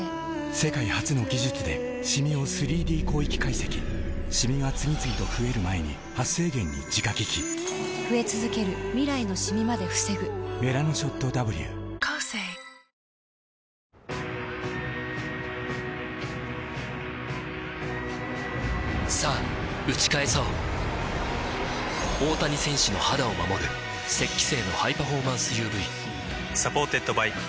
世界初の技術でシミを ３Ｄ 広域解析シミが次々と増える前に「メラノショット Ｗ」さぁ打ち返そう大谷選手の肌を守る「雪肌精」のハイパフォーマンス ＵＶサポーテッドバイコーセー